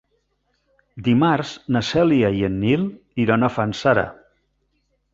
Dimarts na Cèlia i en Nil iran a Fanzara.